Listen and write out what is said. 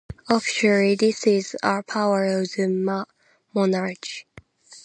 Officially, this is a power of the monarch.